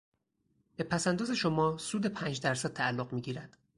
به پس انداز شما سود پنج درصد تعلق میگیرد.